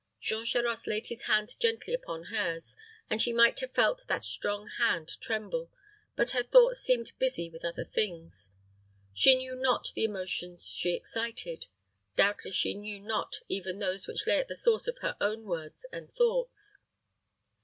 Jean Charost laid his hand gently upon hers and she might have felt that strong hand tremble; but her thoughts seemed busy with other things. She knew not the emotions she excited doubtless she knew not even those which lay at the source of her own words and thoughts.